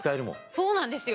そうなんですよ。